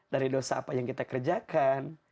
dari dosa apa yang kita kerjakan